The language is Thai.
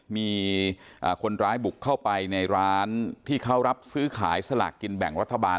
มีคนร้ายบุกเข้าไปในร้านที่เขารับซื้อขายสลากกินแบ่งรัฐบาล